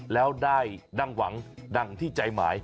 แล้วได้ดังหวังดังที่ใจหมาย